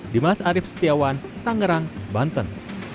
dimas arief setiawan tangerang banten